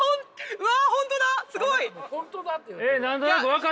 うわ。